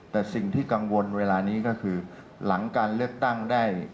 แต่สิ่งที่กังวลเวลานี้ก็คือหลังการเลือกตั้งได้